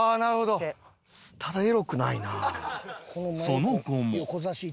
その後も